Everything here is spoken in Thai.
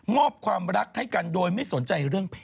อบความรักให้กันโดยไม่สนใจเรื่องเพศ